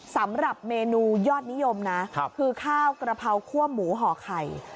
สำหรับเมนูยอดนิยมนะคือข้าวกระเพราคั่วหมูห่อไข่